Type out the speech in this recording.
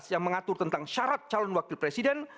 yang mengatur tentang syarat calon wakil presiden